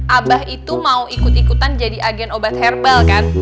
abah itu mau ikut ikutan jadi agen obat herbalnya